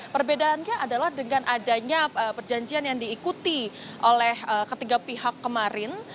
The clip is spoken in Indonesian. perbedaannya adalah dengan adanya perjanjian yang diikuti oleh ketiga pihak kemarin